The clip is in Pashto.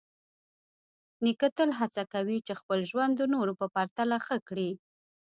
نیکه تل هڅه کوي چې خپل ژوند د نورو په پرتله ښه کړي.